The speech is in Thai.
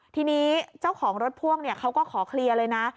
ทีนี้เจ้าของรถพ่วงเขาก็ขอเคลียร์เลยนะ